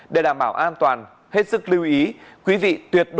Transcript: để đảm bảo an toàn hết sức lưu ý